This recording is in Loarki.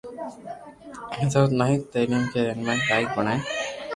ضرورت ناهي. تعليم کي رسائي لائق بڻائڻ